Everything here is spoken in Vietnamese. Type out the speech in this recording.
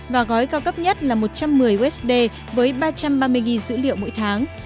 và gói cao cấp nhất là một trăm một mươi usd với ba trăm ba mươi g dữ liệu mỗi tháng